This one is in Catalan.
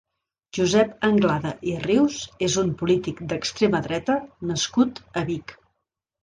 Josep Anglada i Rius és un polític d'extrema dreta nascut a Vic.